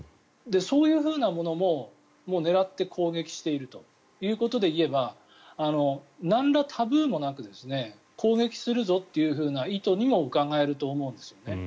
そういうものも狙って攻撃しているということでいえばなんらタブーもなく攻撃するぞという意図にもうかがえると思うんです。